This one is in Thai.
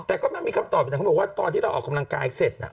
แต่ก็ไม่มีคำตอบแต่เขาบอกว่าตอนที่เราออกกำลังกายเสร็จ